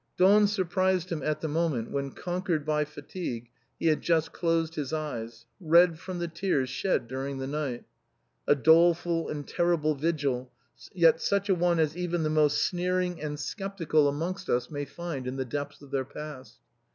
Dawn surprised him at the moment when, conquered by fatigue, he had just closed his eyes, red from the tears shed during the night. A doleful and terrible vigil, yet such a one as even the most sneering and skeptical amongst us may find in the depths of their past.